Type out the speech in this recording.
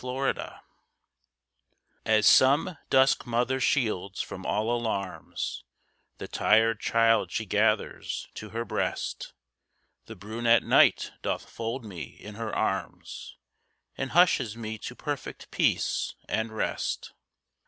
NIGHT As some dusk mother shields from all alarms The tired child she gathers to her breast, The brunette Night doth fold me in her arms, And hushes me to perfect peace and rest.